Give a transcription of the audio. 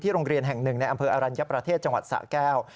โรงเรียนแห่งหนึ่งในอำเภออรัญญประเทศจังหวัดสะแก้ว